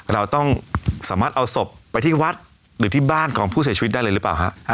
เราต้องสามารถเอาศพไปที่วัดหรือที่บ้านของผู้เสียชีวิตได้เลยหรือเปล่าฮะ